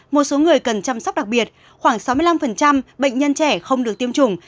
một số người cần chăm sóc đặc biệt khoảng sáu mươi năm bệnh nhân trẻ không được tiêm chủng